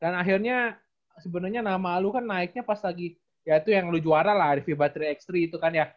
dan akhirnya sebenernya nama lu kan naiknya pas lagi ya itu yang lu juara lah di viva tiga x tiga itu kan ya